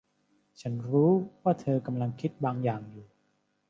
ฉันรู้ว่าเธอกำลังคิดบางอย่างอยู่